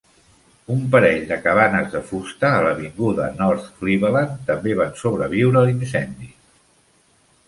Un parell de cabanes de fusta a l'avinguda North Cleveland també van sobreviure l'incendi.